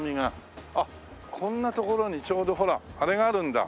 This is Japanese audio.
あっこんな所にちょうどほらあれがあるんだ。